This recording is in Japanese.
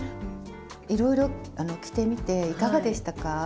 いろいろ着てみていかがでしたか？